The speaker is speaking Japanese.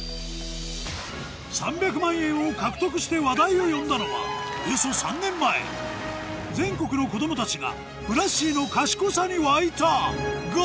３００万円を獲得して話題を呼んだのはおよそ３年前全国の子供たちがふなっしーのが！